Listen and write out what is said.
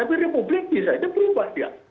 tapi republik bisa aja berubah dia